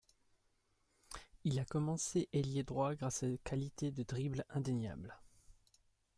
Il a commencé ailier droit grâce à ses qualités de dribble indéniable.